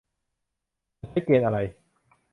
มันใช้เกณฑ์อะไร ?